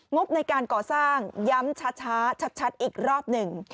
งบในการก่อสร้างย้ำช้าชัดอีกรอบหนึ่ง